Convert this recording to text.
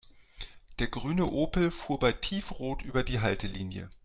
Der grüne Opel fuhr bei Tiefrot über die Haltelinie.